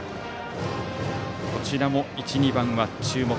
こちらも１、２番は注目。